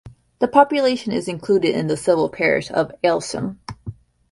The population is included in the civil parish of Aylsham.